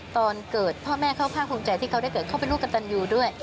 ตอนเกิดพ่อแม่เขาภาคภูมิใจที่เขาได้เกิดเขาเป็นลูกกระตันยูด้วย